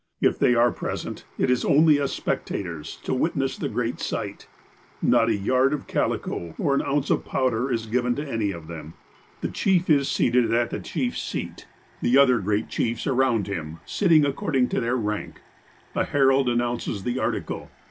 If they are present, it is only as spectators, to witness the great sight. Not a yard of calico, or an ounce of powder, is given to any of them. The chief is seated at the chief's seat, the other great chiefs around 78 THE APOSTLE OF ALASKA him, sitting according to their rank. A herald announces the article.